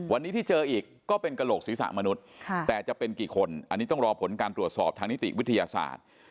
วันนี้ที่เจออีกก็เป็นกระโหลกศีรษะมนุษย์แต่จะเป็นกี่คนอันนี้ต้องรอผลการตรวจสอบทางนิติวิทยาศาสตร์